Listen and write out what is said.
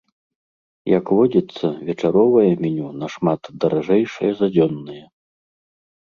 Як водзіцца, вечаровае меню нашмат даражэйшае за дзённае.